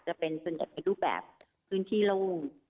จะเป็นส่วนใหญ่เป็นรูปแบบพื้นที่โล่ง